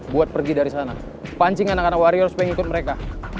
buat pergi dari sana pancing anak anak warrior supaya ngikut mereka